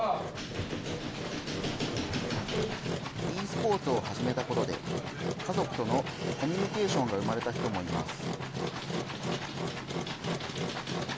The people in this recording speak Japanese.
ｅスポーツを始めたことで、家族とのコミュニケーションが生まれた人もいます。